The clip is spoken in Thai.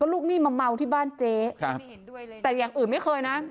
ลูกหนี้มาเมาที่บ้านเจ๊ครับแต่อย่างอื่นไม่เคยนะ